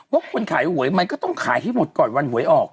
ว่าคนขายหวยมันก็ต้องขายให้หมดก่อนวันหวยออก